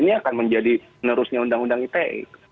ini akan menjadi penerusnya undang undang ite